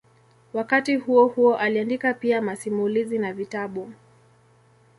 Wakati huohuo aliandika pia masimulizi na vitabu.